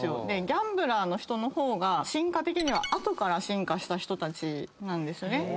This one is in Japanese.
でギャンブラーの人の方が進化的には後から進化した人たちなんですね。